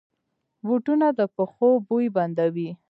بوټونه د پښو بوی بندوي.